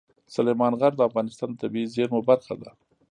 سلیمان غر د افغانستان د طبیعي زیرمو برخه ده.